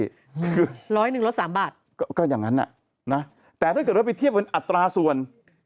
คือร้อยหนึ่งลดสามบาทก็ก็อย่างนั้นอ่ะนะแต่ถ้าเกิดว่าไปเทียบเป็นอัตราส่วน